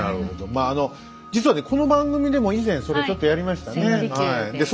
まああの実はねこの番組でも以前それちょっとやりましたね。